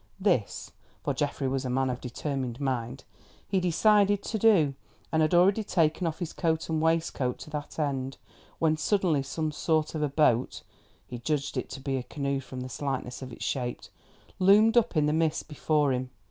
This—for Geoffrey was a man of determined mind—he decided to do, and had already taken off his coat and waistcoat to that end, when suddenly some sort of a boat—he judged it to be a canoe from the slightness of its shape—loomed up in the mist before him.